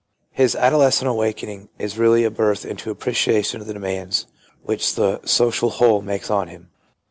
His adolescent awaken ing is really a birth into appreciation of the demands which the social whole makes on him.